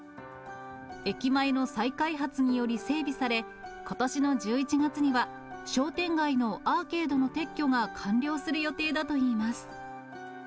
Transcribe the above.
駅前の再開発により整備され、ことしの１１月には商店街のアーケードの撤去が完了する予定だといいます。